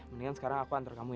mendingan sekarang aku antar kamu